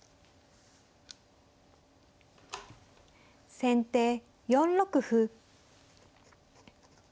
先手４六歩。